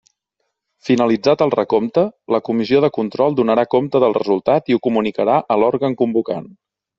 Finalitzat el recompte, la Comissió de control donarà compte del resultat i ho comunicarà a l'òrgan convocant.